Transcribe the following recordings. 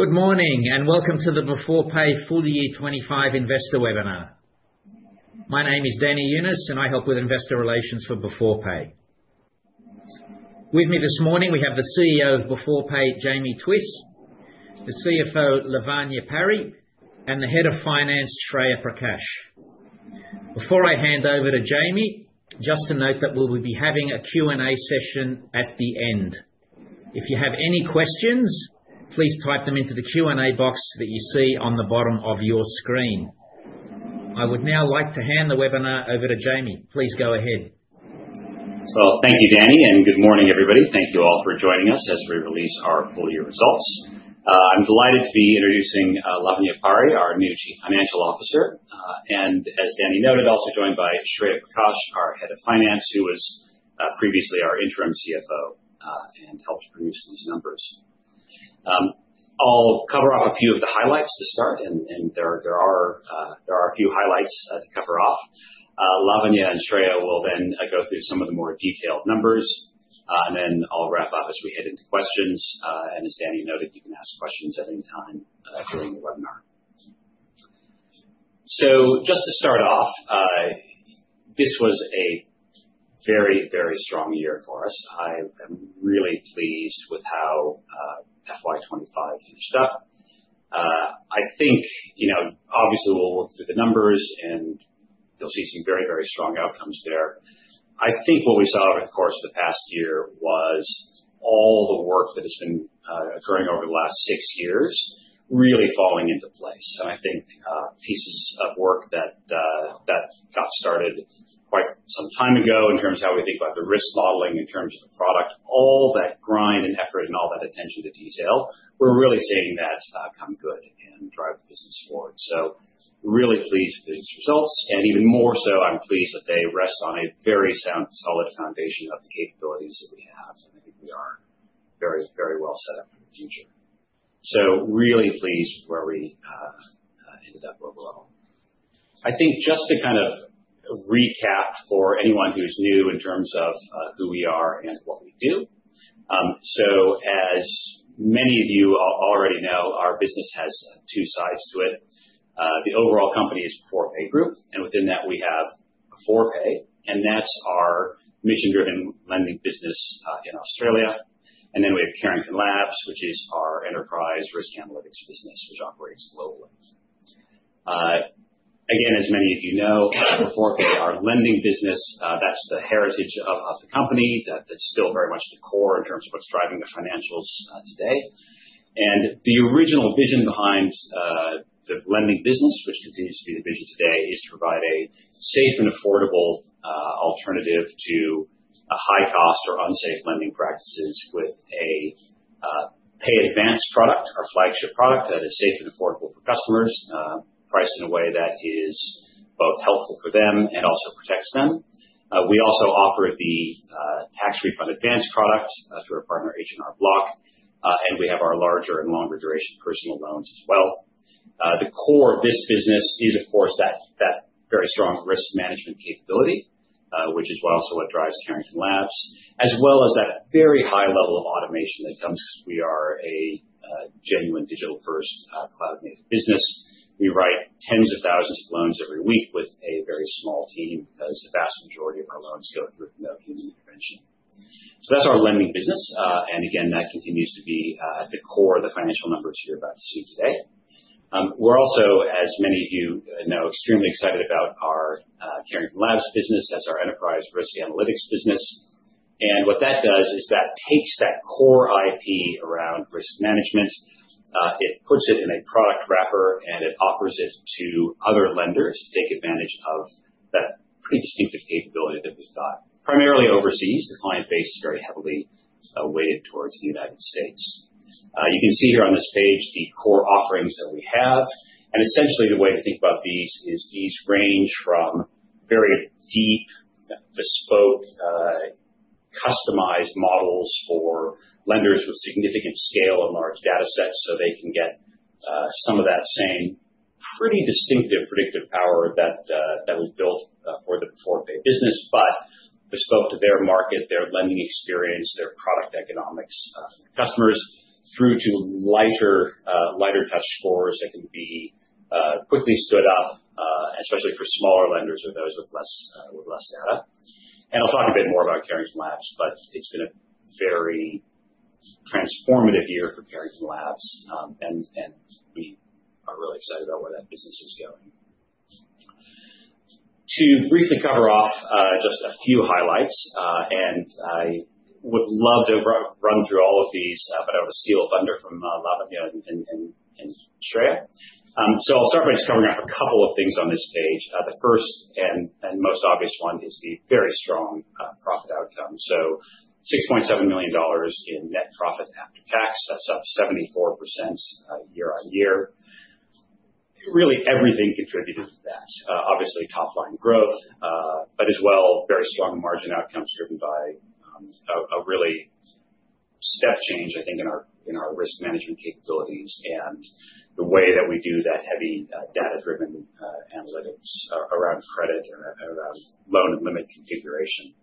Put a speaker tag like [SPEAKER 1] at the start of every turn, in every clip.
[SPEAKER 1] Good morning and welcome to the Beforepay Full Year 2025 Investor Webinar. My name is Danny Younis, and I help with investor relations for Beforepay. With me this morning, we have the CEO of Beforepay, Jamie Twiss, the CFO, Laavanya Pari, and the Head of Finance, Shreya Prakash. Before I hand over to Jamie, just to note that we will be having a Q&A session at the end. If you have any questions, please type them into the Q&A box that you see on the bottom of your screen. I would now like to hand the webinar over to Jamie. Please go ahead.
[SPEAKER 2] Thank you, Danny, and good morning, everybody. Thank you all for joining us as we release our full-year results. I'm delighted to be introducing Laavanya Pari, our new Chief Financial Officer, and, as Danny noted, also joined by Shreya Prakash, our Head of Finance, who was previously our interim CFO and helped produce these numbers. I'll cover off a few of the highlights to start, and there are a few highlights to cover off. Laavanya and Shreya will then go through some of the more detailed numbers, and then I'll wrap up as we head into questions. As Danny noted, you can ask questions at any time during the webinar. Just to start off, this was a very, very strong year for us. I am really pleased with how FY2025 finished up.I think, obviously, we'll work through the numbers, and you'll see some very, very strong outcomes there. I think what we saw over the course of the past year was all the work that has been occurring over the last six years really falling into place, and I think pieces of work that got started quite some time ago in terms of how we think about the risk modeling in terms of the product, all that grind and effort and all that attention to detail, we're really seeing that come good and drive the business forward, so really pleased with these results, and even more so, I'm pleased that they rest on a very solid foundation of the capabilities that we have, and I think we are very, very well set up for the future, so really pleased with where we ended up overall. I think just to kind of recap for anyone who's new in terms of who we are and what we do, so as many of you already know, our business has two sides to it. The overall company is Beforepay Group, and within that we have Beforepay, and that's our mission-driven lending business in Australia, and then we have Carrington Labs, which is our enterprise risk analytics business, which operates globally. Again, as many of you know, Beforepay, our lending business, that's the heritage of the company. That's still very much the core in terms of what's driving the financials today. The original vision behind the lending business, which continues to be the vision today, is to provide a safe and affordable alternative to high-cost or unsafe lending practices with a Pay Advance product, our flagship product, that is safe and affordable for customers, priced in a way that is both helpful for them and also protects them. We also offer the Tax Refund Advance product through our partner, H&R Block, and we have our larger and longer duration personal loans as well. The core of this business is, of course, that very strong risk management capability, which is also what drives Carrington Labs, as well as that very high level of automation that comes because we are a genuine digital-first cloud-native business. We write tens of thousands of loans every week with a very small team because the vast majority of our loans go through no human intervention. So that's our lending business. And again, that continues to be at the core of the financial numbers you're about to see today. We're also, as many of you know, extremely excited about our Carrington Labs business as our enterprise risk analytics business. And what that does is that takes that core IP around risk management, it puts it in a product wrapper, and it offers it to other lenders to take advantage of that pretty distinctive capability that we've got, primarily overseas. The client base is very heavily weighted toward the United States. You can see here on this page the core offerings that we have. And essentially, the way to think about these is these range from very deep, bespoke, customized models for lenders with significant scale and large data sets so they can get some of that same pretty distinctive predictive power that was built for the Beforepay business, but bespoke to their market, their lending experience, their product economics for customers, through to lighter touch scores that can be quickly stood up, especially for smaller lenders or those with less data. And I'll talk a bit more about Carrington Labs, but it's been a very transformative year for Carrington Labs, and we are really excited about where that business is going. To briefly cover off just a few highlights, and I would love to run through all of these, but I want to steal a thunder from Laavanya and Shreya. I'll start by just covering up a couple of things on this page. The first and most obvious one is the very strong profit outcome. So 6.7 million dollars in net profit after tax, that's up 74% year on year. Really, everything contributed to that. Obviously, top-line growth, but as well, very strong margin outcomes driven by a really step change, I think, in our risk management capabilities and the way that we do that heavy data-driven analytics around credit and around loan and limit configuration.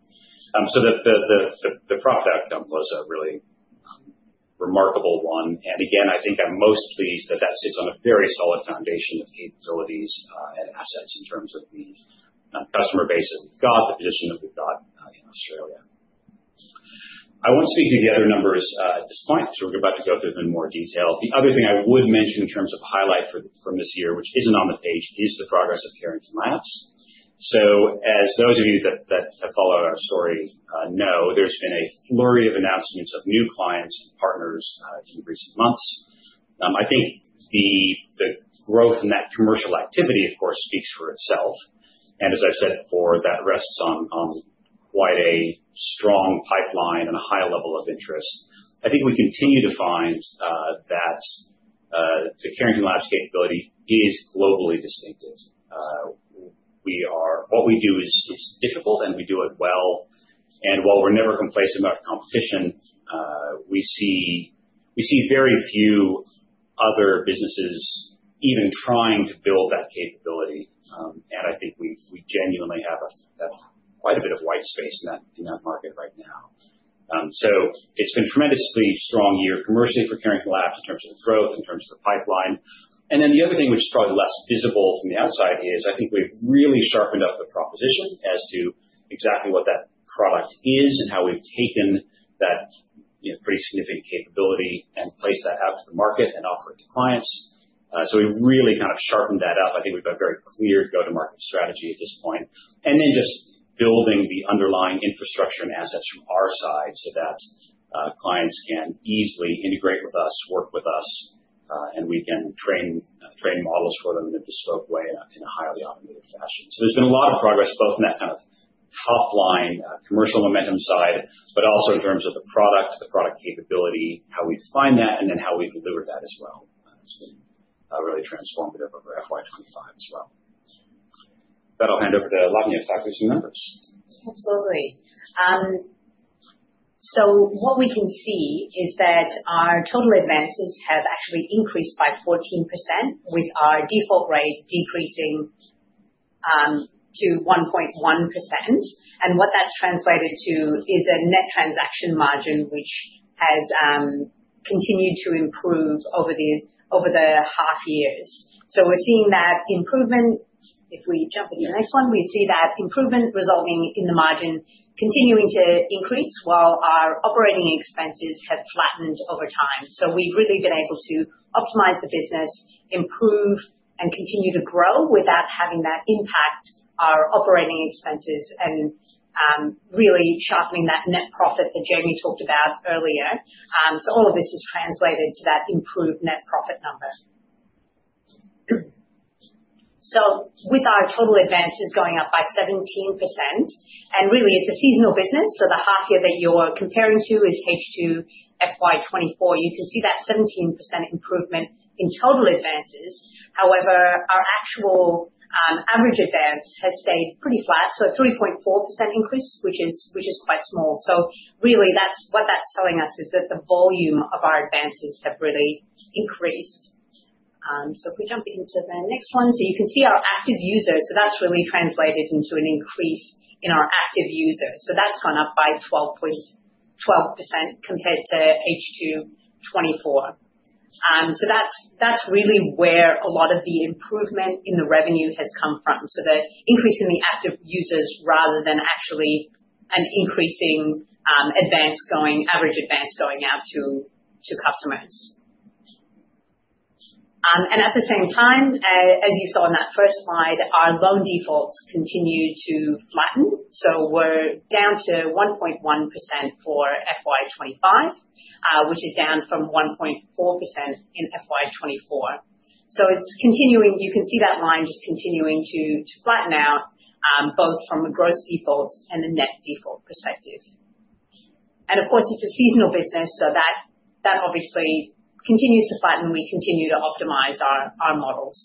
[SPEAKER 2] So the profit outcome was a really remarkable one. And again, I think I'm most pleased that that sits on a very solid foundation of capabilities and assets in terms of the customer base that we've got, the position that we've got in Australia. I won't speak to the other numbers at this point, so we're about to go through them in more detail. The other thing I would mention in terms of a highlight from this year, which isn't on the page, is the progress of Carrington Labs. So as those of you that have followed our story know, there's been a flurry of announcements of new clients and partners in recent months. I think the growth in that commercial activity, of course, speaks for itself. And as I've said before, that rests on quite a strong pipeline and a high level of interest. I think we continue to find that the Carrington Labs capability is globally distinctive. What we do is difficult, and we do it well. And while we're never complacent about competition, we see very few other businesses even trying to build that capability. And I think we genuinely have quite a bit of white space in that market right now. It's been a tremendously strong year commercially for Carrington Labs in terms of growth, in terms of the pipeline. Then the other thing, which is probably less visible from the outside, is I think we've really sharpened up the proposition as to exactly what that product is and how we've taken that pretty significant capability and placed that out to the market and offered it to clients. We've really kind of sharpened that up. I think we've got a very clear go-to-market strategy at this point. Then just building the underlying infrastructure and assets from our side so that clients can easily integrate with us, work with us, and we can train models for them in a bespoke way in a highly automated fashion. So there's been a lot of progress both in that kind of top-line commercial momentum side, but also in terms of the product, the product capability, how we define that, and then how we've delivered that as well. It's been really transformative over FY25 as well. That'll hand over to Laavanya to talk through some numbers.
[SPEAKER 3] Absolutely. So what we can see is that our total advances have actually increased by 14%, with our default rate decreasing to 1.1%. And what that's translated to is a net transaction margin, which has continued to improve over the half years. So we're seeing that improvement. If we jump into the next one, we see that improvement resulting in the margin continuing to increase while our operating expenses have flattened over time. So we've really been able to optimize the business, improve, and continue to grow without having that impact our operating expenses and really sharpening that net profit that Jamie talked about earlier. So all of this is translated to that improved net profit number. So with our total advances going up by 17%, and really, it's a seasonal business, so the half year that you're comparing to is H2 FY2024. You can see that 17% improvement in total advances. However, our actual average advance has stayed pretty flat, so a 3.4% increase, which is quite small. So really, what that's telling us is that the volume of our advances have really increased. So if we jump into the next one, so you can see our active users. So that's really translated into an increase in our active users. So that's gone up by 12% compared to H2 2024. So that's really where a lot of the improvement in the revenue has come from. So the increase in the active users rather than actually an increasing average advance going out to customers. At the same time, as you saw in that first slide, our loan defaults continue to flatten. We're down to 1.1% for FY2025, which is down from 1.4% in FY2024. You can see that line just continuing to flatten out both from a gross defaults and a net default perspective. Of course, it's a seasonal business, so that obviously continues to flatten. We continue to optimize our models.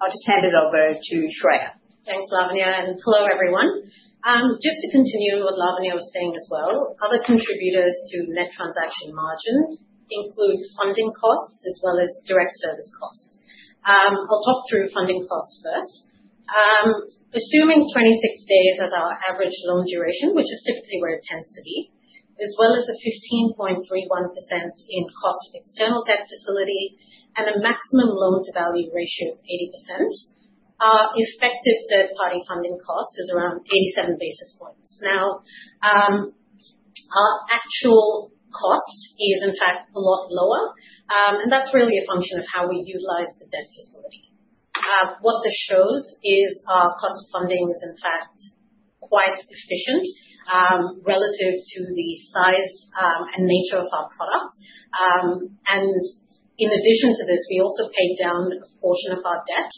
[SPEAKER 3] I'll just hand it over to Shreya.
[SPEAKER 4] Thanks, Laavanya, and hello, everyone. Just to continue what Laavanya was saying as well, other contributors to net transaction margin include funding costs as well as direct service costs. I'll talk through funding costs first. Assuming 26 days as our average loan duration, which is typically where it tends to be, as well as a 15.31% in cost of external debt facility and a maximum loan-to-value ratio of 80%, our effective third-party funding cost is around 87 basis points. Now, our actual cost is, in fact, a lot lower, and that's really a function of how we utilize the debt facility. What this shows is our cost of funding is, in fact, quite efficient relative to the size and nature of our product. And in addition to this, we also paid down a portion of our debt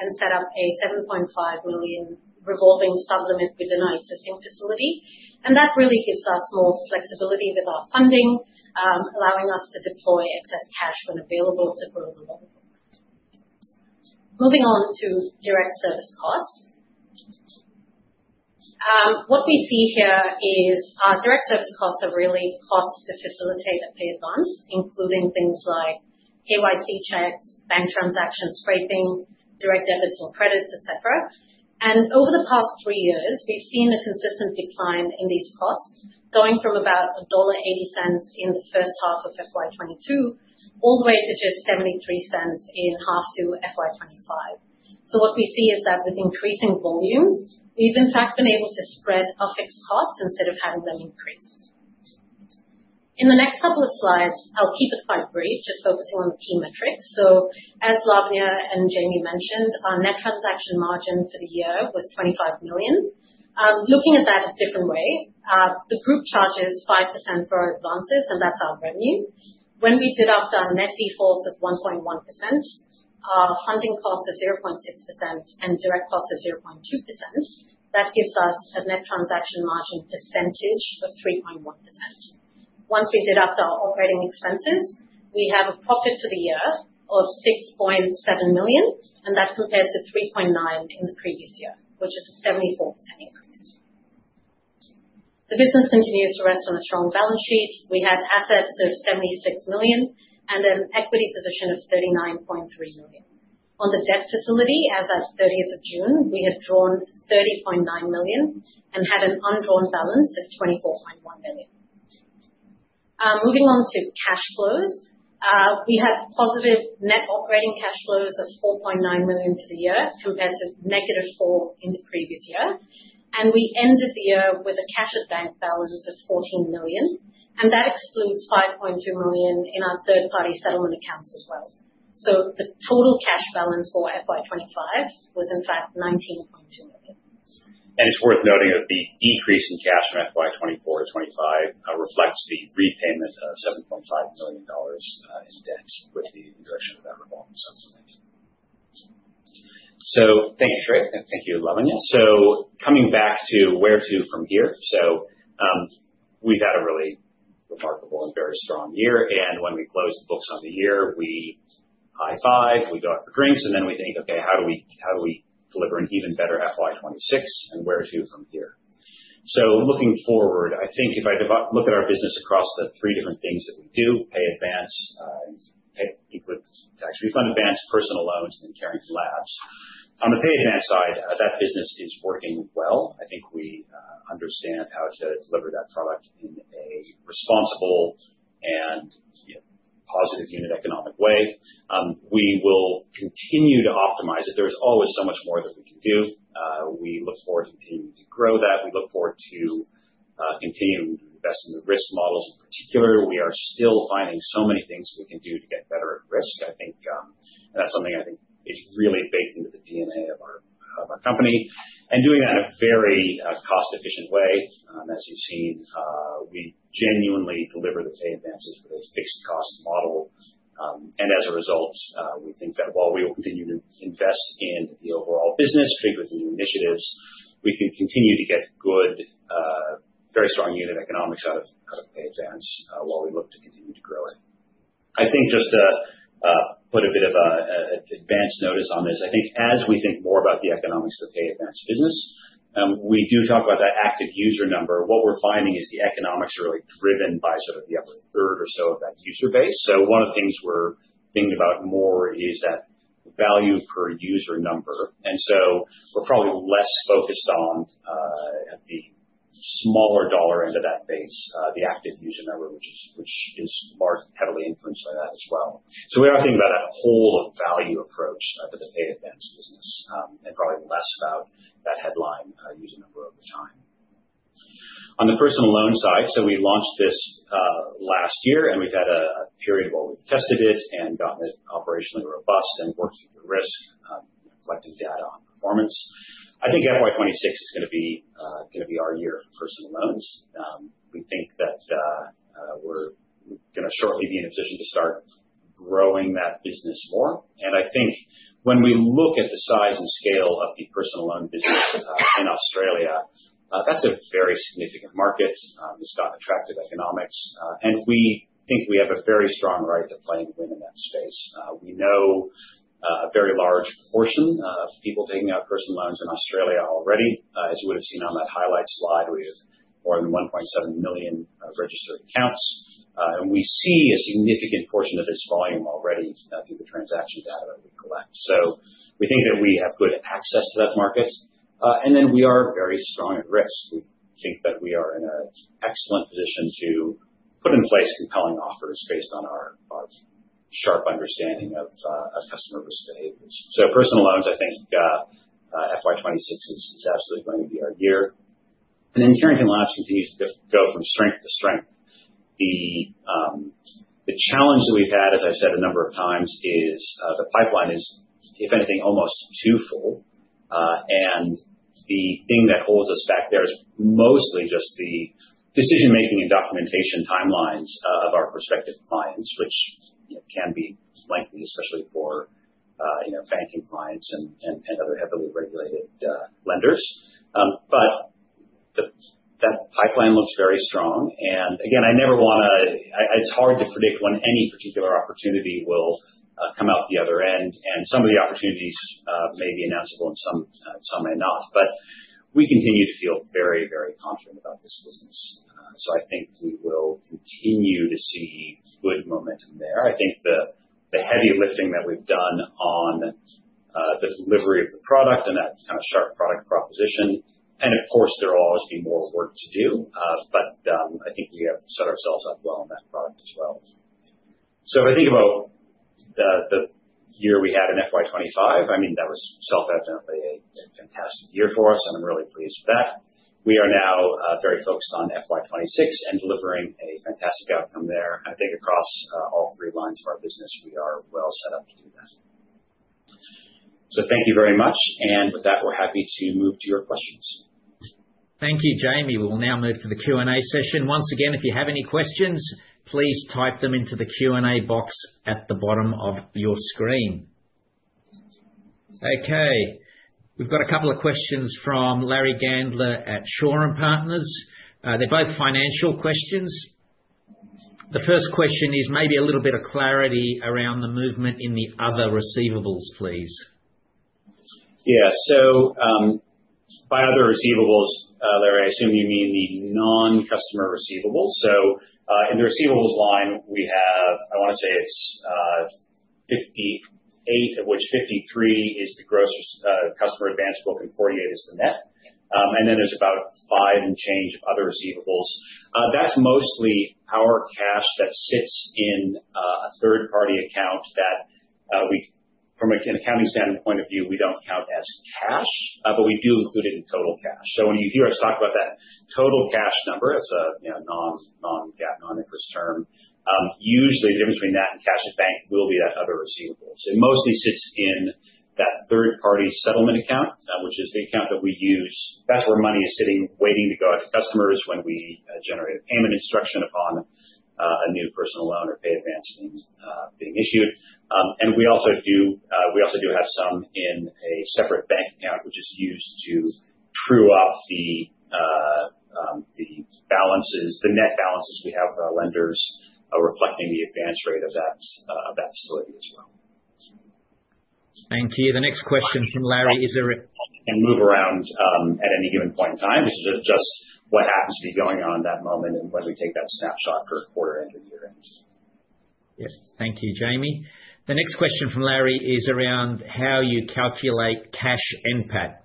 [SPEAKER 4] and set up a 7.5 million revolving supplement within our existing facility. That really gives us more flexibility with our funding, allowing us to deploy excess cash when available to grow the loan. Moving on to direct service costs. What we see here is our direct service costs have really cost to facilitate a Pay Advance, including things like KYC checks, bank transaction scraping, direct debits and credits, etc. And over the past three years, we've seen a consistent decline in these costs, going from about dollar 1.80 in the first half of FY2022 all the way to just 0.73 in 1H FY2025. So what we see is that with increasing volumes, we've, in fact, been able to spread our fixed costs instead of having them increase. In the next couple of slides, I'll keep it quite brief, just focusing on the key metrics. So as Laavanya and Jamie mentioned, our net transaction margin for the year was 25 million. Looking at that a different way, the group charges 5% for our advances, and that's our revenue. When we deduct our net defaults of 1.1%, our funding costs of 0.6%, and direct costs of 0.2%, that gives us a net transaction margin percentage of 3.1%. Once we deduct our operating expenses, we have a profit for the year of 6.7 million, and that compares to 3.9 in the previous year, which is a 74% increase. The business continues to rest on a strong balance sheet. We had assets of 76 million and an equity position of 39.3 million. On the debt facility, as of 30th of June, we had drawn 30.9 million and had an undrawn balance of 24.1 million. Moving on to cash flows, we had positive net operating cash flows of 4.9 million for the year compared to negative 4 in the previous year. We ended the year with a cash at bank balance of 14 million. That excludes 5.2 million in our third-party settlement accounts as well. The total cash balance for FY2025 was, in fact, 19.2 million.
[SPEAKER 2] It's worth noting that the decrease in cash from FY2024 to FY2025 reflects the repayment of 7.5 million dollars in debts with the injection of that revolving supplement. So thank you, Shreya. Thank you, Laavanya. So coming back to where to from here. So we've had a really remarkable and very strong year. And when we close the books on the year, we high-five, we go out for drinks, and then we think, okay, how do we deliver an even better FY2026 and where to from here? So looking forward, I think if I look at our business across the three different things that we do, Pay Advance, including Tax Refund Advance, Personal Loans, and then Carrington Labs. On the Pay Advance side, that business is working well. I think we understand how to deliver that product in a responsible and positive unit economics way. We will continue to optimize it. There is always so much more that we can do. We look forward to continuing to grow that. We look forward to continuing to invest in the risk models in particular. We are still finding so many things we can do to get better at risk. I think that's something I think is really baked into the DNA of our company, and doing that in a very cost-efficient way. As you've seen, we genuinely deliver the pay advances with a fixed cost model, and as a result, we think that while we will continue to invest in the overall business, particularly the new initiatives, we can continue to get good, very strong unit economics out of pay advance while we look to continue to grow it. I think just to put a bit of an advanced notice on this. I think as we think more about the economics of the pay advance business, we do talk about that active user number. What we're finding is the economics are really driven by sort of the upper third or so of that user base. So one of the things we're thinking about more is that value per user number. And so we're probably less focused on the smaller dollar end of that base, the active user number, which is heavily influenced by that as well. So we are thinking about that whole of value approach for the pay advance business and probably less about that headline user number over time. On the personal loan side, so we launched this last year, and we've had a period where we've tested it and gotten it operationally robust and worked through the risk, collecting data on performance. I think FY2026 is going to be our year for personal loans. We think that we're going to shortly be in a position to start growing that business more. And I think when we look at the size and scale of the personal loan business in Australia, that's a very significant market. It's got attractive economics. And we think we have a very strong right to play and win in that space. We know a very large portion of people taking out personal loans in Australia already. As you would have seen on that highlight slide, we have more than 1.7 million registered accounts. We see a significant portion of this volume already through the transaction data that we collect. We think that we have good access to that market. We are very strong at risk. We think that we are in an excellent position to put in place compelling offers based on our sharp understanding of customer risk behaviors. Personal loans, I think FY2026 is absolutely going to be our year. Carrington Labs continues to go from strength to strength. The challenge that we've had, as I've said a number of times, is the pipeline is, if anything, almost too full. The thing that holds us back there is mostly just the decision-making and documentation timelines of our prospective clients, which can be lengthy, especially for banking clients and other heavily regulated lenders. That pipeline looks very strong. Again, I never want to. It's hard to predict when any particular opportunity will come out the other end. Some of the opportunities may be announceable and some may not. We continue to feel very, very confident about this business. I think we will continue to see good momentum there. I think the heavy lifting that we've done on the delivery of the product and that kind of sharp product proposition, and of course, there will always be more work to do, but I think we have set ourselves up well on that product as well. If I think about the year we had in FY2025, I mean, that was self-evidently a fantastic year for us, and I'm really pleased with that. We are now very focused on FY2026 and delivering a fantastic outcome there. I think across all three lines of our business, we are well set up to do that. So thank you very much. And with that, we're happy to move to your questions.
[SPEAKER 1] Thank you, Jamie. We will now move to the Q&A session. Once again, if you have any questions, please type them into the Q&A box at the bottom of your screen. Okay. We've got a couple of questions from Larry Gandler at Shaw and Partners. They're both financial questions. The first question is maybe a little bit of clarity around the movement in the other receivables, please.
[SPEAKER 2] Yeah. So by other receivables, Larry, I assume you mean the non-customer receivables. So in the receivables line, we have—I want to say it's 58, of which 53 is the gross customer advance book and 48 is the net. And then there's about five and change of other receivables. That's mostly our cash that sits in a third-party account that, from an accounting standpoint of view, we don't count as cash, but we do include it in total cash. So when you hear us talk about that total cash number, it's a non-GAAP, non-IFRS term. Usually, the difference between that and cash at bank will be that other receivables. It mostly sits in that third-party settlement account, which is the account that we use. That's where money is sitting, waiting to go out to customers when we generate a payment instruction upon a new Personal Loan or Pay Advance being issued. And we also do have some in a separate bank account, which is used to true up the net balances we have with our lenders, reflecting the advance rate of that facility as well.
[SPEAKER 1] Thank you. The next question from Larry is a...
[SPEAKER 2] Move around at any given point in time. This is just what happens to be going on at that moment and when we take that snapshot for quarter-end or year-end.
[SPEAKER 1] Yep. Thank you, Jamie. The next question from Larry is around how you calculate Cash NPAT.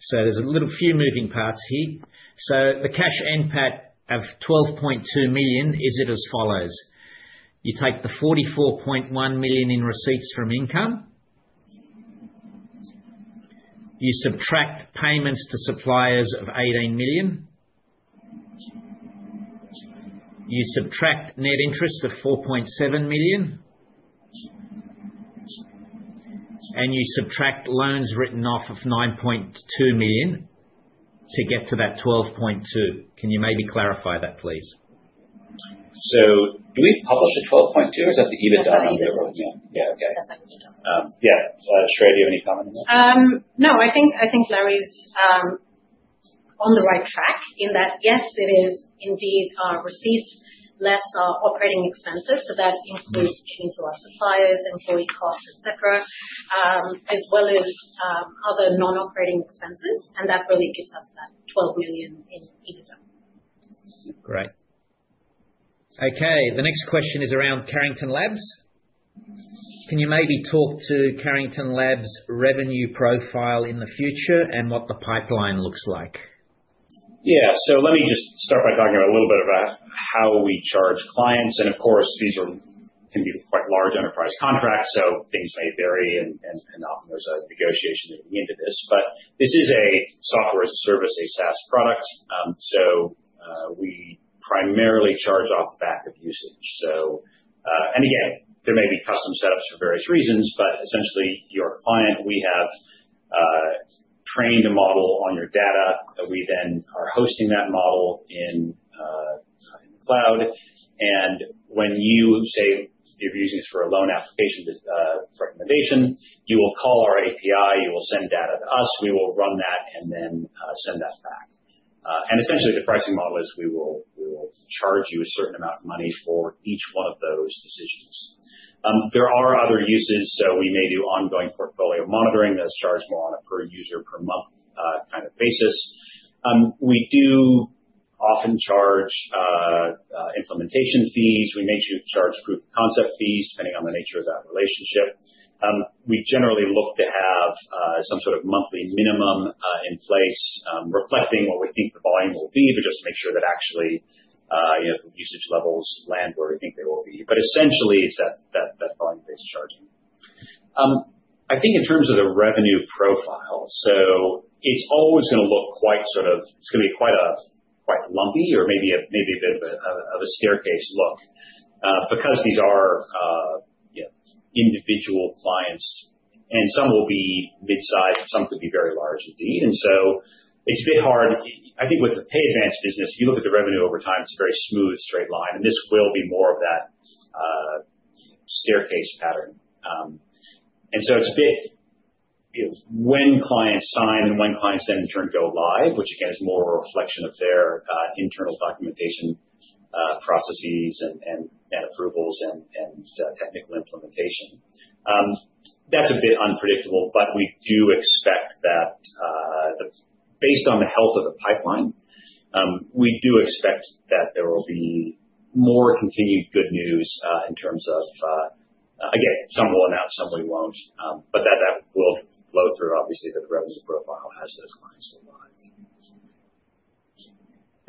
[SPEAKER 1] So there's a little few moving parts here. So the Cash NPAT of 12.2 million is it as follows. You take the 44.1 million in receipts from income. You subtract payments to suppliers of 18 million. You subtract net interest of 4.7 million. And you subtract loans written off of 9.2 million to get to that 12.2. Can you maybe clarify that, please?
[SPEAKER 2] So do we publish the 12.2 or is that the EBITDA number?
[SPEAKER 3] Yeah.
[SPEAKER 2] Yeah. Okay.
[SPEAKER 3] That's it.
[SPEAKER 2] Yeah. Shreya, do you have any comment on that?
[SPEAKER 4] No. I think Larry's on the right track in that, yes, it is indeed receipts, less operating expenses, so that includes paying to our suppliers, employee costs, etc., as well as other non-operating expenses, and that really gives us that 12 million in EBITDA.
[SPEAKER 1] Great. Okay. The next question is around Carrington Labs. Can you maybe talk to Carrington Labs' revenue profile in the future and what the pipeline looks like?
[SPEAKER 2] Yeah, so let me just start by talking a little bit about how we charge clients, and of course, these can be quite large enterprise contracts, so things may vary, and often there's a negotiation at the end of this, but this is a software as a service, a SaaS product, so we primarily charge off the back of usage, and again, there may be custom setups for various reasons, but essentially, your client, we have trained a model on your data. We then are hosting that model in the cloud, and when you say you're using this for a loan application for recommendation, you will call our API, you will send data to us, we will run that and then send that back, and essentially, the pricing model is we will charge you a certain amount of money for each one of those decisions. There are other uses, so we may do ongoing portfolio monitoring that's charged more on a per user per month kind of basis. We do often charge implementation fees. We may charge proof of concept fees depending on the nature of that relationship. We generally look to have some sort of monthly minimum in place reflecting what we think the volume will be, but just to make sure that actually the usage levels land where we think they will be. But essentially, it's that volume-based charging. I think in terms of the revenue profile, so it's always going to look quite sort of, it's going to be quite lumpy or maybe a bit of a staircase look because these are individual clients. And some will be mid-sized, some could be very large indeed. And so it's a bit hard. I think with the Pay Advance business, you look at the revenue over time, it's a very smooth straight line, and this will be more of that staircase pattern, and so it's a bit when clients sign and when clients then in turn go live, which again is more a reflection of their internal documentation processes and approvals and technical implementation. That's a bit unpredictable, but we do expect that based on the health of the pipeline, we do expect that there will be more continued good news in terms of, again, some will announce, some we won't, but that will flow through, obviously, to the revenue profile as those clients go live.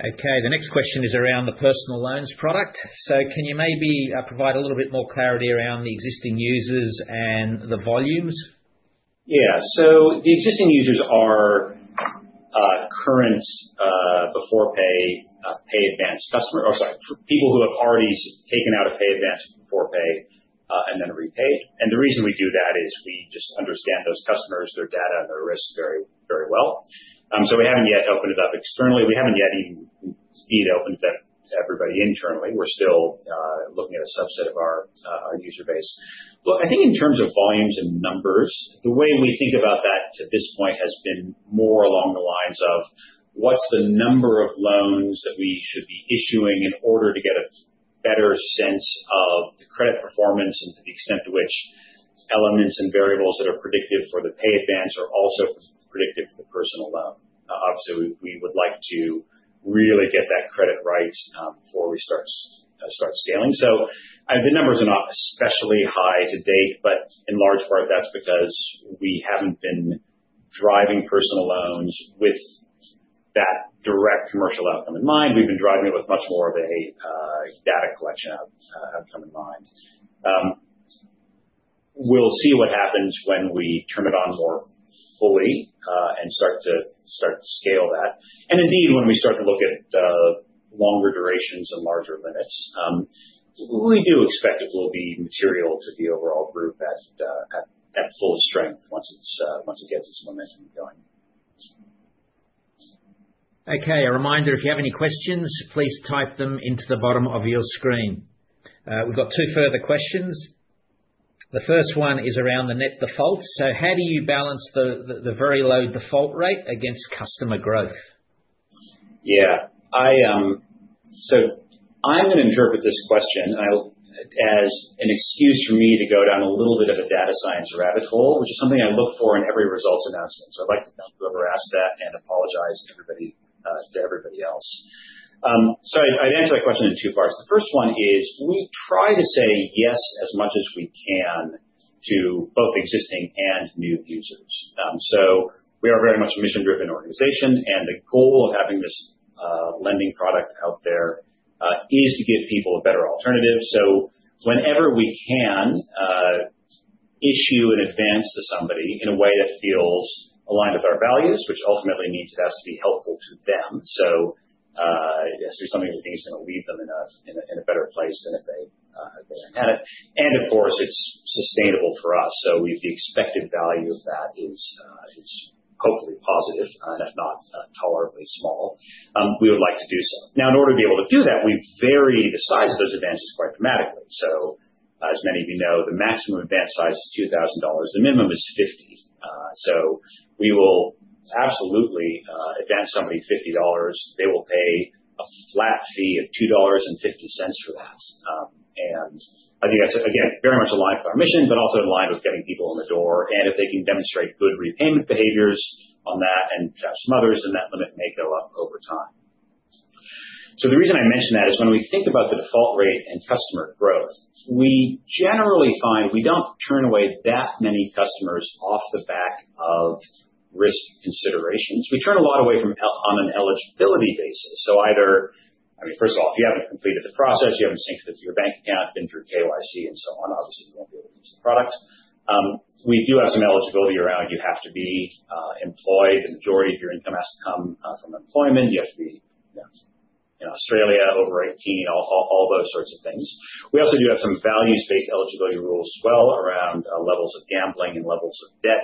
[SPEAKER 1] Okay. The next question is around the personal loans product. So can you maybe provide a little bit more clarity around the existing users and the volumes?
[SPEAKER 2] Yeah. So the existing users are current Beforepay Pay Advance customers or, sorry, people who have already taken out a Pay Advance Beforepay and then repaid. And the reason we do that is we just understand those customers, their data and their risk very well. So we haven't yet opened it up externally. We haven't yet even indeed opened it up to everybody internally. We're still looking at a subset of our user base. But I think in terms of volumes and numbers, the way we think about that to this point has been more along the lines of what's the number of loans that we should be issuing in order to get a better sense of the credit performance and to the extent to which elements and variables that are predictive for the Pay Advance are also predictive for the Personal Loan. Obviously, we would like to really get that credit right before we start scaling, so the number is not especially high to date, but in large part, that's because we haven't been driving personal loans with that direct commercial outcome in mind. We've been driving it with much more of a data collection outcome in mind. We'll see what happens when we turn it on more fully and start to scale that, and indeed, when we start to look at longer durations and larger limits, we do expect it will be material to the overall group at full strength once it gets its momentum going.
[SPEAKER 1] Okay. A reminder, if you have any questions, please type them into the bottom of your screen. We've got two further questions. The first one is around the net default. So how do you balance the very low default rate against customer growth?
[SPEAKER 2] Yeah. So I'm going to interpret this question as an excuse for me to go down a little bit of a data science rabbit hole, which is something I look for in every results announcement. So I'd like to thank whoever asked that and apologize to everybody else. So I'd answer that question in two parts. The first one is we try to say yes as much as we can to both existing and new users. So we are a very much mission-driven organization, and the goal of having this lending product out there is to give people a better alternative. So whenever we can issue an advance to somebody in a way that feels aligned with our values, which ultimately means it has to be helpful to them. So it has to be something we think is going to leave them in a better place than if they aren't at it. And of course, it's sustainable for us. So if the expected value of that is hopefully positive and if not tolerably small, we would like to do so. Now, in order to be able to do that, we vary the size of those advances quite dramatically. So as many of you know, the maximum advance size is 2,000 dollars. The minimum is 50. So we will absolutely advance somebody 50 dollars. They will pay a flat fee of 2.50 dollars for that. And I think that's, again, very much aligned with our mission, but also aligned with getting people on the door. And if they can demonstrate good repayment behaviors on that and perhaps some others, then that limit may go up over time. So the reason I mention that is when we think about the default rate and customer growth, we generally find we don't turn away that many customers off the back of risk considerations. We turn a lot away from on an eligibility basis. So either, I mean, first of all, if you haven't completed the process, you haven't synced it to your bank account, been through KYC, and so on, obviously, you won't be able to use the product. We do have some eligibility around you have to be employed. The majority of your income has to come from employment. You have to be in Australia over 18, all those sorts of things. We also do have some values-based eligibility rules as well around levels of gambling and levels of debt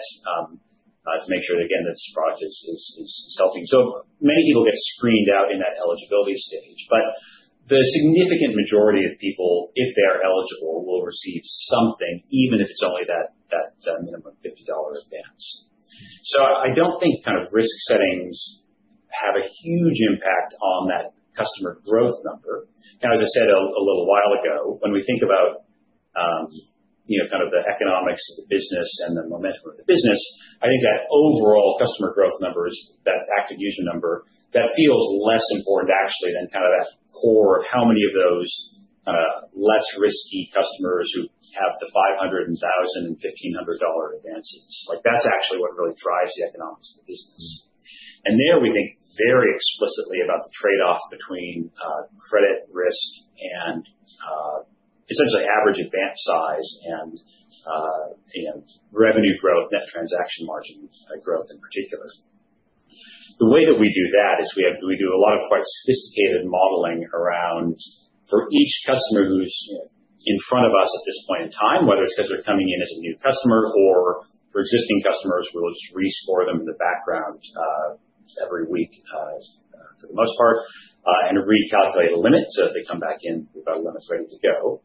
[SPEAKER 2] to make sure, again, that this product is healthy. Many people get screened out in that eligibility stage, but the significant majority of people, if they are eligible, will receive something, even if it's only that minimum 50 dollar advance. I don't think kind of risk settings have a huge impact on that customer growth number. Kind of, as I said a little while ago, when we think about kind of the economics of the business and the momentum of the business, I think that overall customer growth number, that active user number, that feels less important actually than kind of that core of how many of those less risky customers who have the 500 dollar and 1,000 dollar and AUD 1,500 advances. That's actually what really drives the economics of the business. There we think very explicitly about the trade-off between credit risk and essentially average advance size and revenue growth, net transaction margin growth in particular. The way that we do that is we do a lot of quite sophisticated modeling around for each customer who's in front of us at this point in time, whether it's because they're coming in as a new customer or for existing customers, we'll just rescore them in the background every week for the most part and recalculate a limit so that they come back in with our limits ready to go.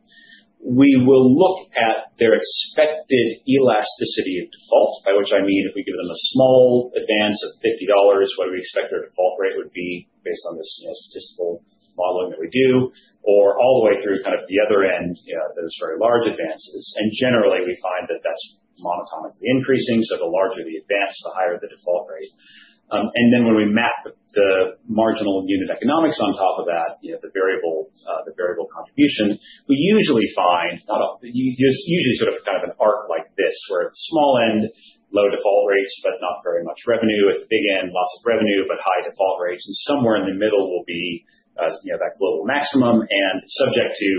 [SPEAKER 2] We will look at their expected elasticity of default, by which I mean if we give them a small advance of 50 dollars, what we expect their default rate would be based on this statistical modeling that we do, or all the way through kind of the other end, those very large advances, and generally, we find that that's monotonically increasing, so the larger the advance, the higher the default rate. Then when we map the marginal unit economics on top of that, the variable contribution, we usually find sort of kind of an arc like this where at the small end, low default rates, but not very much revenue. At the big end, lots of revenue, but high default rates. And somewhere in the middle will be that global maximum. And subject to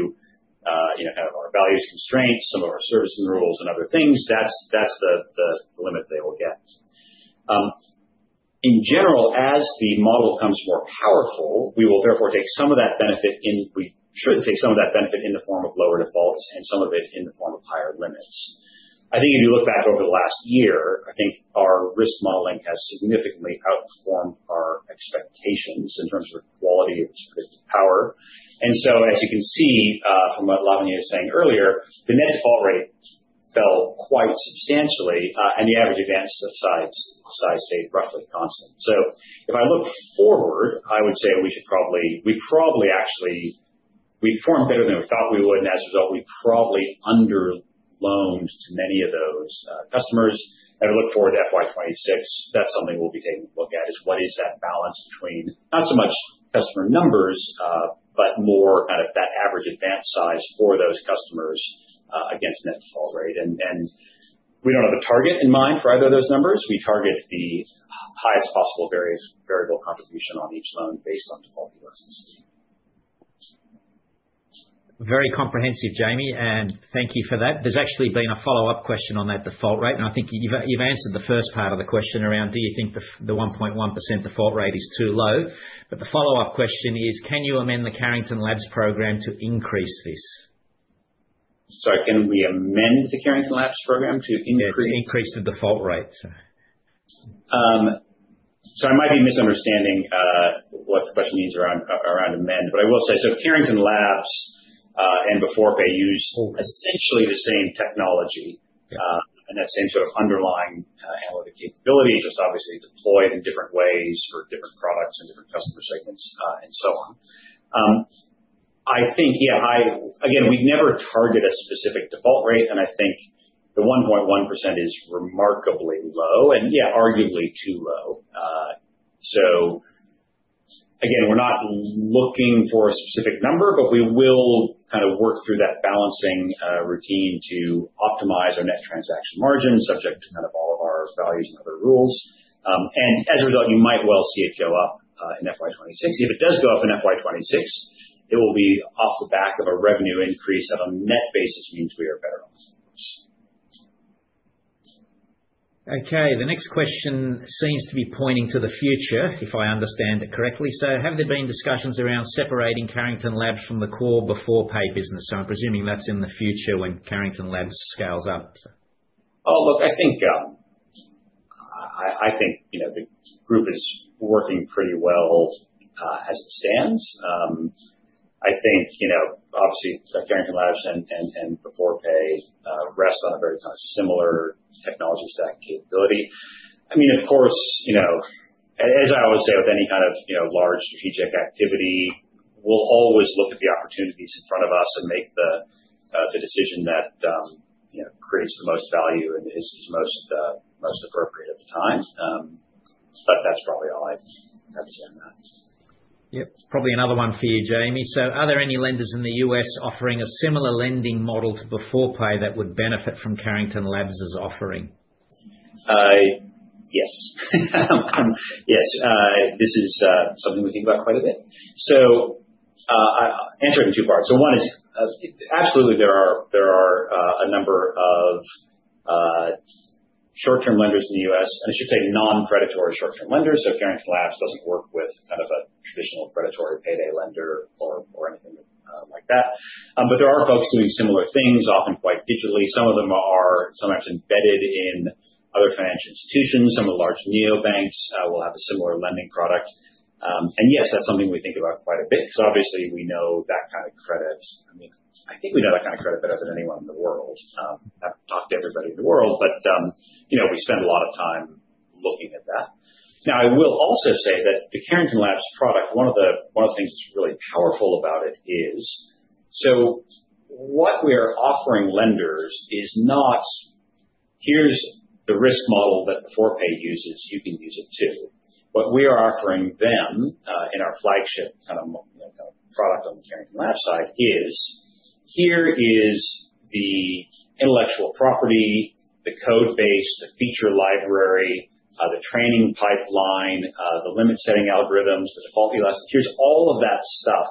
[SPEAKER 2] kind of our values constraints, some of our servicing rules and other things, that's the limit they will get. In general, as the model becomes more powerful, we should take some of that benefit in the form of lower defaults and some of it in the form of higher limits. I think if you look back over the last year, I think our risk modeling has significantly outperformed our expectations in terms of the quality of its power. And so as you can see from what Laavanya was saying earlier, the net default rate fell quite substantially, and the average advance size stayed roughly constant. So if I look forward, I would say we probably actually performed better than we thought we would. And as a result, we probably underloaned to many of those customers. If you look forward to FY2026, that's something we'll be taking a look at is what is that balance between not so much customer numbers, but more kind of that average advance size for those customers against net default rate. And we don't have a target in mind for either of those numbers. We target the highest possible variable contribution on each loan based on default elasticity.
[SPEAKER 1] Very comprehensive, Jamie, and thank you for that. There's actually been a follow-up question on that default rate, and I think you've answered the first part of the question around do you think the 1.1% default rate is too low, but the follow-up question is, can you amend the Carrington Labs program to increase this?
[SPEAKER 2] Sorry, can we amend the Carrington Labs program to increase?
[SPEAKER 1] Increase the default rate.
[SPEAKER 2] So I might be misunderstanding what the question means around NTM, but I will say so Carrington Labs and Beforepay use essentially the same technology and that same sort of underlying analytic capability, just obviously deployed in different ways for different products and different customer segments and so on. I think, yeah, again, we never target a specific default rate, and I think the 1.1% is remarkably low and, yeah, arguably too low. So again, we're not looking for a specific number, but we will kind of work through that balancing routine to optimize our Net Transaction Margin subject to kind of all of our values and other rules. And as a result, you might well see it go up in FY2026. If it does go up in FY2026, it will be off the back of a revenue increase that on a net basis means we are better on the scores.
[SPEAKER 1] Okay. The next question seems to be pointing to the future, if I understand it correctly. So have there been discussions around separating Carrington Labs from the core Beforepay business? So I'm presuming that's in the future when Carrington Labs scales up.
[SPEAKER 2] Oh, look, I think the group is working pretty well as it stands. I think, obviously, Carrington Labs and Beforepay rest on a very kind of similar technology stack capability. I mean, of course, as I always say with any kind of large strategic activity, we'll always look at the opportunities in front of us and make the decision that creates the most value and is most appropriate at the time. But that's probably all I have to say on that.
[SPEAKER 1] Yep. Probably another one for you, Jamie. So are there any lenders in the U.S. offering a similar lending model to Beforepay that would benefit from Carrington Labs' offering?
[SPEAKER 2] Yes. Yes. This is something we think about quite a bit. So I'll answer it in two parts. So one is absolutely there are a number of short-term lenders in the U.S., and I should say non-predatory short-term lenders. So Carrington Labs doesn't work with kind of a traditional predatory payday lender or anything like that. But there are folks doing similar things, often quite digitally. Some of them are sometimes embedded in other financial institutions. Some of the large neobanks will have a similar lending product. And yes, that's something we think about quite a bit because obviously we know that kind of credit, I mean, I think we know that kind of credit better than anyone in the world. I've talked to everybody in the world, but we spend a lot of time looking at that. Now, I will also say that the Carrington Labs product, one of the things that's really powerful about it is so what we're offering lenders is not, "Here's the risk model that Beforepay uses. You can use it too." What we are offering them in our flagship kind of product on the Carrington Labs side is, "Here is the intellectual property, the code base, the feature library, the training pipeline, the limit-setting algorithms, the default elasticity." Here's all of that stuff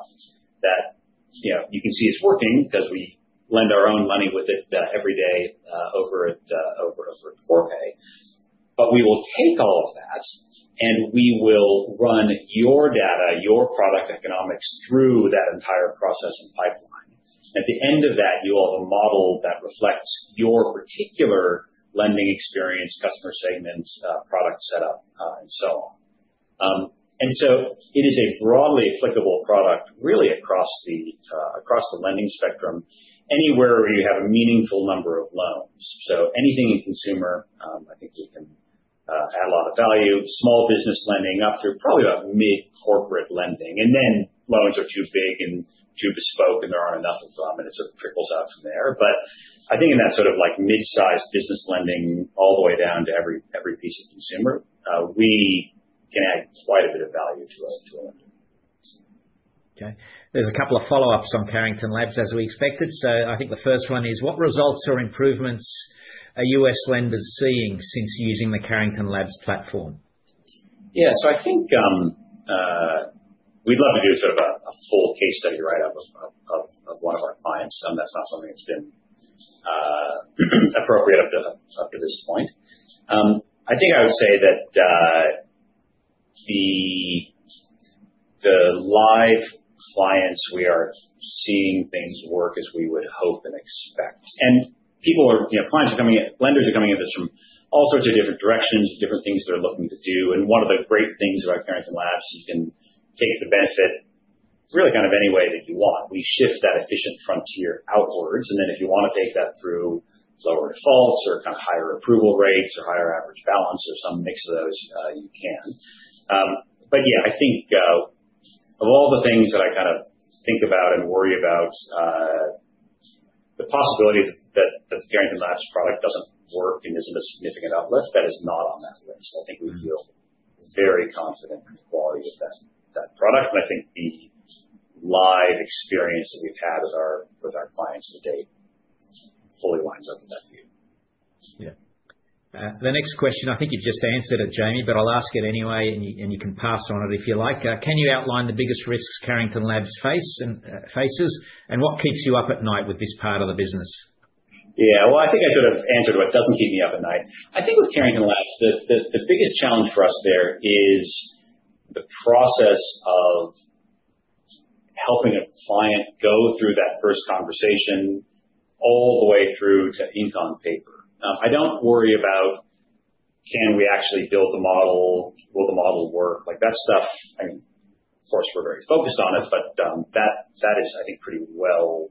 [SPEAKER 2] that you can see is working because we lend our own money with it every day over Beforepay. But we will take all of that, and we will run your data, your product economics through that entire process and pipeline. At the end of that, you will have a model that reflects your particular lending experience, customer segments, product setup, and so on. And so it is a broadly applicable product really across the lending spectrum anywhere where you have a meaningful number of loans. So anything in consumer, I think you can add a lot of value, small business lending up through probably about mid-corporate lending. And then loans are too big and too bespoke, and there aren't enough of them, and it sort of trickles out from there. But I think in that sort of mid-sized business lending all the way down to every piece of consumer, we can add quite a bit of value to a lender.
[SPEAKER 1] Okay. There's a couple of follow-ups on Carrington Labs as we expected. So I think the first one is, what results or improvements are U.S. lenders seeing since using the Carrington Labs platform?
[SPEAKER 2] Yeah. So I think we'd love to do sort of a full case study write-up of one of our clients. That's not something that's been appropriate up to this point. I think I would say that the live clients, we are seeing things work as we would hope and expect. And lenders are coming at this from all sorts of different directions, different things they're looking to do. And one of the great things about Carrington Labs is you can take the benefit really kind of any way that you want. We shift that efficient frontier outwards. And then if you want to take that through lower defaults or kind of higher approval rates or higher average balance or some mix of those, you can. But yeah, I think of all the things that I kind of think about and worry about, the possibility that the Carrington Labs product doesn't work and isn't a significant uplift, that is not on that list. I think we feel very confident in the quality of that product. And I think the live experience that we've had with our clients to date fully lines up with that view.
[SPEAKER 1] Yeah. The next question, I think you've just answered it, Jamie, but I'll ask it anyway, and you can pass on it if you like. Can you outline the biggest risks Carrington Labs faces, and what keeps you up at night with this part of the business?
[SPEAKER 2] Yeah. Well, I think I sort of answered what doesn't keep me up at night. I think with Carrington Labs, the biggest challenge for us there is the process of helping a client go through that first conversation all the way through to ink on paper. I don't worry about, can we actually build the model? Will the model work? That stuff, I mean, of course, we're very focused on it, but that is, I think, pretty well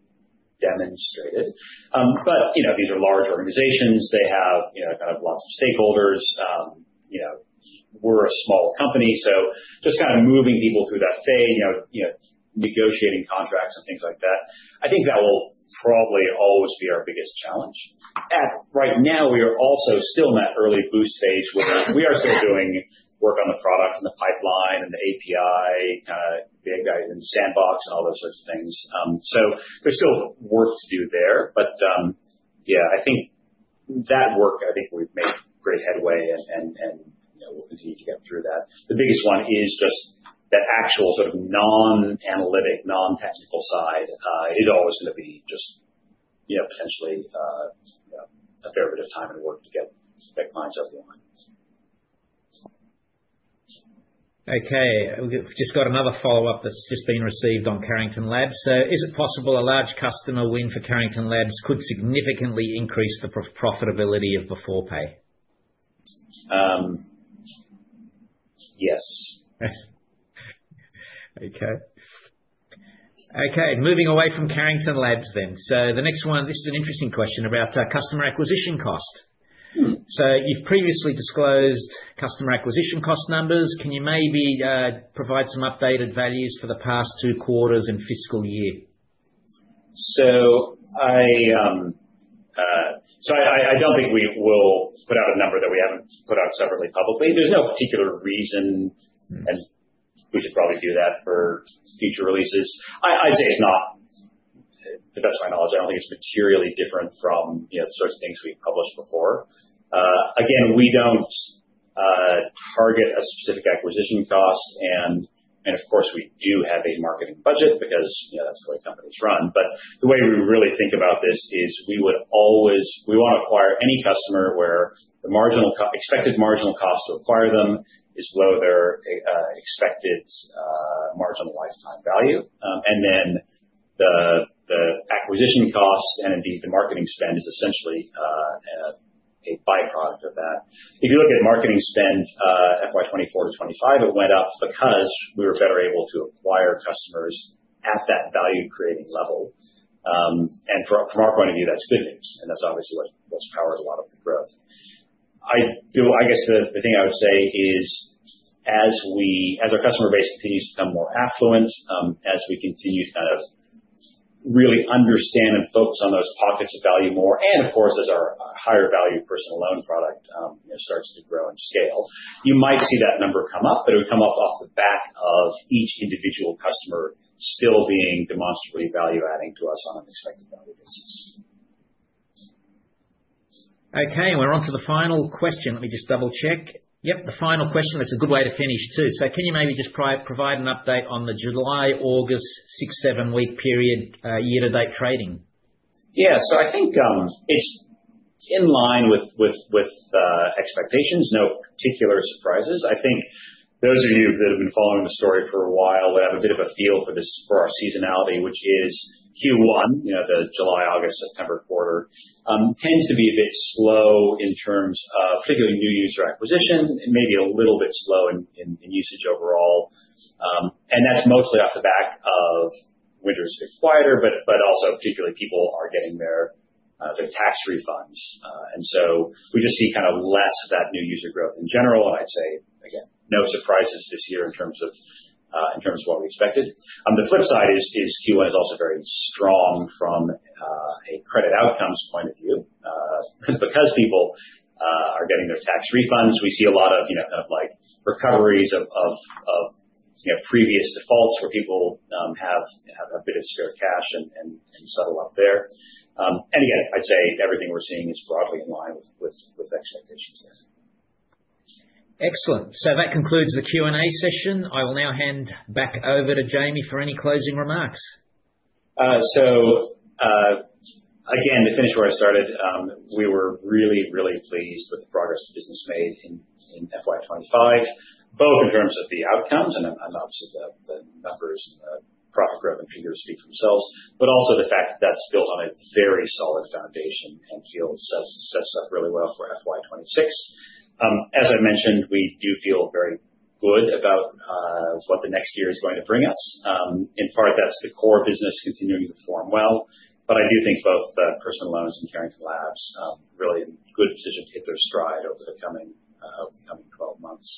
[SPEAKER 2] demonstrated. But these are large organizations. They have kind of lots of stakeholders. We're a small company. So just kind of moving people through that phase, negotiating contracts and things like that, I think that will probably always be our biggest challenge. Right now, we are also still in that early boost phase where we are still doing work on the product and the pipeline and the API kind of sandbox and all those sorts of things. So there's still work to do there. But yeah, I think that work, I think we've made great headway, and we'll continue to get through that. The biggest one is just that actual sort of non-analytic, non-technical side. It is always going to be just potentially a fair bit of time and work to get clients up and running.
[SPEAKER 1] Okay. We've just got another follow-up that's just been received on Carrington Labs. So is it possible a large customer win for Carrington Labs could significantly increase the profitability of Beforepay?
[SPEAKER 2] Yes.
[SPEAKER 1] Okay. Moving away from Carrington Labs then. So the next one, this is an interesting question about customer acquisition cost. So you've previously disclosed customer acquisition cost numbers. Can you maybe provide some updated values for the past two quarters and fiscal year?
[SPEAKER 2] So, I don't think we will put out a number that we haven't put out separately publicly. There's no particular reason, and we should probably do that for future releases. I'd say it's not, to the best of my knowledge, I don't think it's materially different from the sorts of things we've published before. Again, we don't target a specific acquisition cost. And of course, we do have a marketing budget because that's the way companies run. But the way we really think about this is we want to acquire any customer where the expected marginal cost to acquire them is below their expected marginal lifetime value. And then the acquisition cost and indeed the marketing spend is essentially a byproduct of that. If you look at marketing spend FY24 to FY25, it went up because we were better able to acquire customers at that value-creating level. From our point of view, that's good news. That's obviously what's powered a lot of the growth. I guess the thing I would say is as our customer base continues to become more affluent, as we continue to kind of really understand and focus on those pockets of value more, and of course, as our higher value personal loan product starts to grow and scale, you might see that number come up, but it would come up off the back of each individual customer still being demonstrably value-adding to us on an expected value basis.
[SPEAKER 1] Okay. We're on to the final question. Let me just double-check. Yep. The final question. That's a good way to finish too. So can you maybe just provide an update on the July-August six, seven week period year-to-date trading?
[SPEAKER 2] Yeah. So I think it's in line with expectations. No particular surprises. I think those of you that have been following the story for a while would have a bit of a feel for our seasonality, which is Q1, the July, August, September quarter, tends to be a bit slow in terms of particularly new user acquisition and maybe a little bit slow in usage overall. And that's mostly off the back of winters getting quieter, but also particularly people are getting their tax refunds. And so we just see kind of less of that new user growth in general. And I'd say, again, no surprises this year in terms of what we expected. On the flip side is Q1 is also very strong from a credit outcomes point of view. Because people are getting their tax refunds, we see a lot of kind of recoveries of previous defaults where people have a bit of spare cash and settle up there, and again, I'd say everything we're seeing is broadly in line with expectations there.
[SPEAKER 1] Excellent. So that concludes the Q&A session. I will now hand back over to Jamie for any closing remarks.
[SPEAKER 2] So again, to finish where I started, we were really, really pleased with the progress the business made in FY2025, both in terms of the outcomes and obviously the numbers and the profit growth and figures speak for themselves, but also the fact that that's built on a very solid foundation and sets us up really well for FY2026. As I mentioned, we do feel very good about what the next year is going to bring us. In part, that's the core business continuing to perform well, but I do think both personal loans and Carrington Labs really are in good position to hit their stride over the coming 12 months.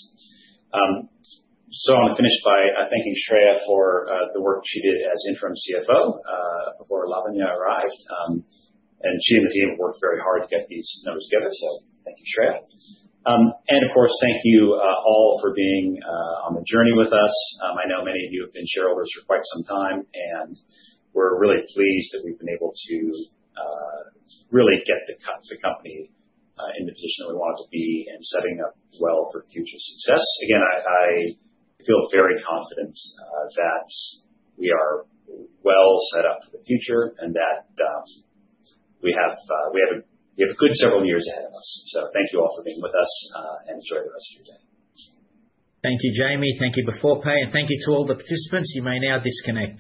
[SPEAKER 2] So I want to finish by thanking Shreya for the work she did as Interim CFO before Lavanya arrived, and she and the team have worked very hard to get these numbers together, so thank you, Shreya. Of course, thank you all for being on the journey with us. I know many of you have been shareholders for quite some time, and we're really pleased that we've been able to really get the company in the position that we want it to be and setting up well for future success. Again, I feel very confident that we are well set up for the future and that we have a good several years ahead of us. Thank you all for being with us, and enjoy the rest of your day.
[SPEAKER 1] Thank you, Jamie. Thank you, Beforepay, and thank you to all the participants. You may now disconnect.